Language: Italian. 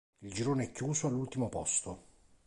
Il girone è chiuso all'ultimo posto.